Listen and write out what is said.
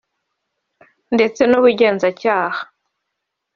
ndetse n’ubugenzacyaha